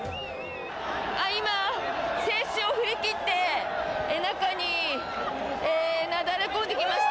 今、制止を振り切って中になだれ込んできました。